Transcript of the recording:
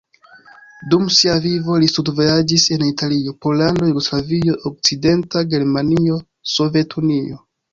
Dum sia vivo li studvojaĝis en Italio, Pollando, Jugoslavio, Okcidenta Germanio, Sovetunio.